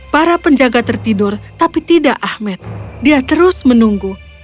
para penjaga tertidur tapi tidak ahmed dia terus menunggu